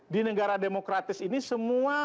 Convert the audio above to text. di negara demokratis ini semua